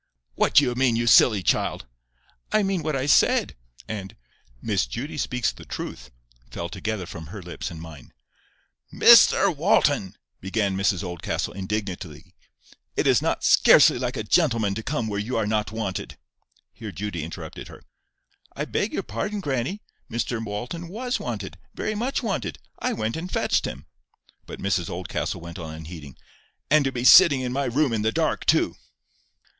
"What do you mean, you silly child?" "I mean what I say," and "Miss Judy speaks the truth," fell together from her lips and mine. "Mr Walton," began Mrs Oldcastle, indignantly, "it is scarcely like a gentleman to come where you are not wanted— " Here Judy interrupted her. "I beg your pardon, grannie, Mr Walton WAS wanted—very much wanted. I went and fetched him." But Mrs Oldcastle went on unheeding. "— and to be sitting in my room in the dark too!"